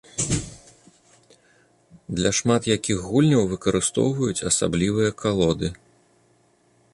Для шмат якіх гульняў выкарыстоўваюць асаблівыя калоды.